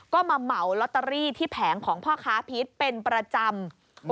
ก็มาเหมาลอตเตอรี่ที่แผงของพ่อค้าพีชเป็นประจำ